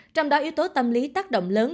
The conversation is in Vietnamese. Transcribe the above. trong đó yếu tố tâm lý tác động lớn